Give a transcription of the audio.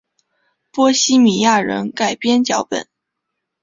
波希米亚人改编脚本。